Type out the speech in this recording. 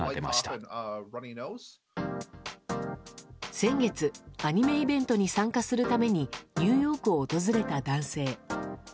先月アニメイベントに参加するためにニューヨークを訪れた男性。